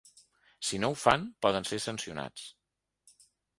Si no ho fan, poden ser sancionats.